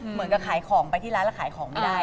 เหมือนกับขายของไปที่ร้านแล้วขายของไม่ได้